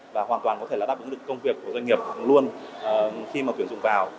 và hoàn toàn có thể là đáp ứng được công việc của doanh nghiệp luôn khi mà tuyển dụng vào